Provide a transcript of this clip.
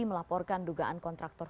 melaporkan dugaan kontraktor